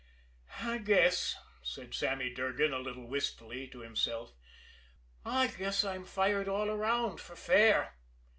"I guess," said Sammy Durgan a little wistfully to himself, "I guess I'm fired all around for fair."